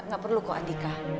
enggak perlu kok adhika